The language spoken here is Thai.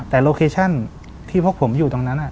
แต่สถานที่พวกผมอยู่ตรงนั้น